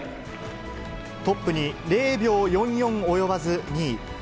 トップに０秒４４及ばず２位。